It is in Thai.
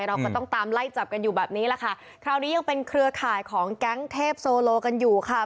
เราก็ต้องตามไล่จับกันอยู่แบบนี้แหละค่ะคราวนี้ยังเป็นเครือข่ายของแก๊งเทพโซโลกันอยู่ค่ะ